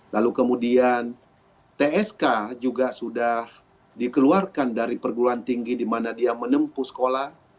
lalu kemudian tsk juga sudah dikeluarkan dari perguruan tinggi di mana dia menempuh sekolah